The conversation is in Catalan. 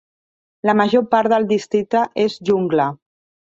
La major part del districte és jungla.